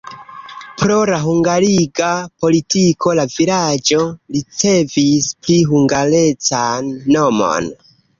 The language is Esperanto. Pro la hungariga politiko la vilaĝo ricevis pli hungarecan nomon.